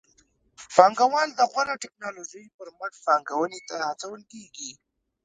پانګوال د غوره ټکنالوژۍ پر مټ پانګونې ته هڅول کېږي.